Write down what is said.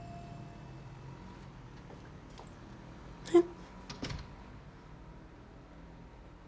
えっ？